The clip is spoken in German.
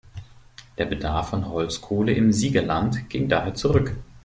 Der Bedarf an Holzkohle im Siegerland ging daher zurück.